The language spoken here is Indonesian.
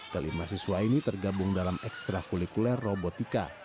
kelima siswa ini tergabung dalam ekstrakulikuler robotika